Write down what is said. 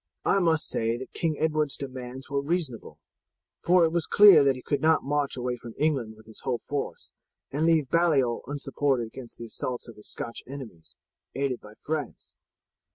"I must say that King Edward's demands were reasonable, for it was clear that he could not march away from England with his whole force and leave Baliol unsupported against the assaults of his Scotch enemies, aided by France.